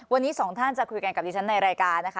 วันนี้๒ท่านจะคุยกันกับนี่ในรายการนะคะ